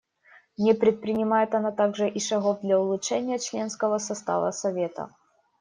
Не предпринимает она также и шагов для улучшения членского состава Совета.